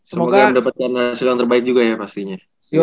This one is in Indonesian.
semoga mendapatkan hasil yang terbaik juga ya pastinya